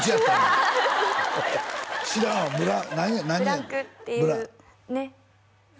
プランクっていうねっ